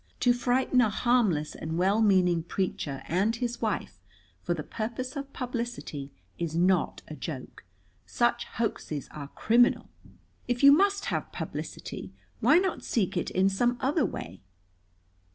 To frighten a harmless and well meaning preacher and his wife for the purpose of publicity is not a joke. Such hoaxes are criminal. If you must have publicity, why not seek it in some other way?"